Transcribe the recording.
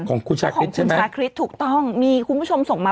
ของคุณชาคริสใช่ไหมชาคริสถูกต้องมีคุณผู้ชมส่งมา